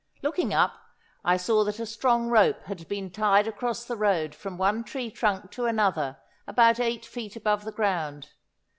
Looking up I saw that a strong rope had been tied across the road from one tree trunk to another about eight feet above the ground.